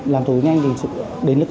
làm thủ tục nhanh đến lúc